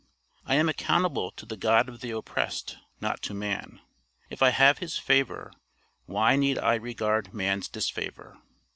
I am accountable to the God of the oppressed, not to man. If I have his favor, why need I regard man's disfavor.